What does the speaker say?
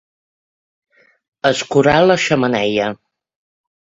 Escurar la xemeneia.